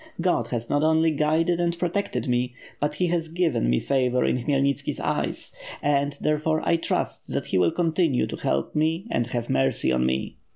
God has not only guided and protected me, but he has given me favor in Khmyelnitski's eyes; and, therefore, I trust that He will continue to help me and have mercy on me.